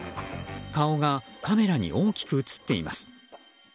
顔がカメラに大きく映っています。